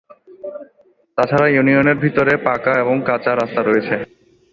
তাছাড়া ইউনিয়নের ভিতরে পাঁকা এবং কাঁচা রাস্তা রয়েছে।